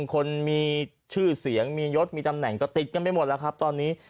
คนมีชื่อเสียงมียศมีตำแหน่งก็ติดกันไปหมดแล้วครับตอนนี้